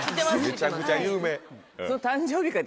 めちゃくちゃ有名。